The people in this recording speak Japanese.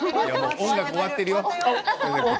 音楽、終わっているよ。